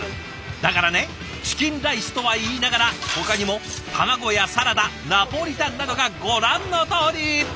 だからねチキンライスとは言いながらほかにも卵やサラダナポリタンなどがご覧のとおり！